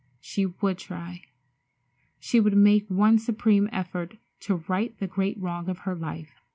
She would try. She would make one supreme effort to right the great wrong of her life.